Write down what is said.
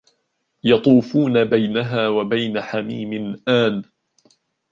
يطوفون بينها وبين حميم آن